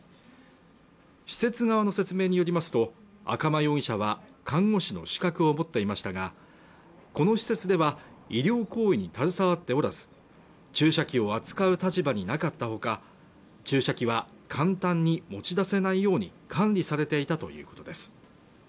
施設側の説明によりますと赤間容疑者は看護師の資格を持っていましたがこの施設では医療行為に携わっておらず注射器を扱う立場になかったほか注射器は簡単に持ち出せないように管理されていたということです